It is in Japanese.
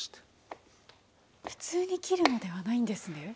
普通に切るのではないんですね。